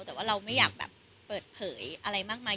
แต่ว่าเราไม่อยากแบบเปิดเผยอะไรมากมาย